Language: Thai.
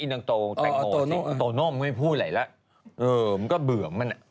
อีนังโตแต่งโอสิโตโน่มันก็ไม่พูดอะไรแล้วมันก็เบื่อมัน